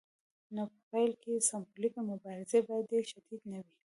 نو په پیل کې سمبولیکې مبارزې باید ډیرې شدیدې نه وي.